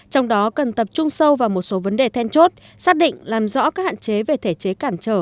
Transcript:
trong đó cần tập trung sâu vào một số vấn đề then chốt xác định làm rõ các hạn chế về thể chế cản trở